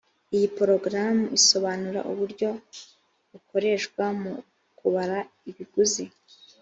iyi porogaramu isobanura uburyo bukoreshwa mu kubara ibiguzi